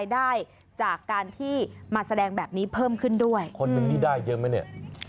ได้จากการที่มาแสดงแบบนี้เพิ่มขึ้นด้วยคนหนึ่งนี่ได้เยอะไหมเนี่ย